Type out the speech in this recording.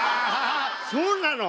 そうなの？